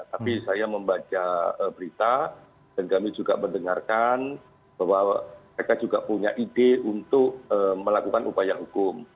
tapi saya membaca berita dan kami juga mendengarkan bahwa mereka juga punya ide untuk melakukan upaya hukum